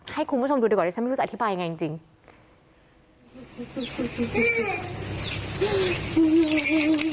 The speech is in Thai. ให้คุณผู้ชมดูดีกว่าดิฉันไม่รู้จะอธิบายยังไงจริง